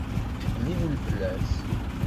Ttqelliben fell-as.